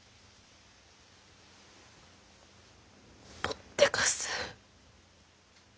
ぽってかす。